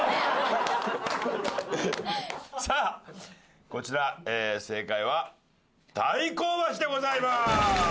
さあこちら正解は大甲橋でございます。